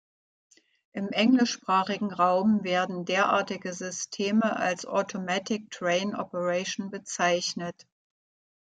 Im englischsprachigen Raum werden derartige Systeme als Automatic Train Operation bezeichnet.